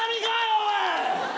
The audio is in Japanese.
おい。